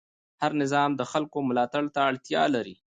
هر نظام د خلکو ملاتړ ته اړتیا لري